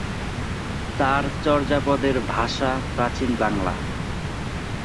তাঁর চর্যাপদের ভাষা প্রাচীন বাংলা।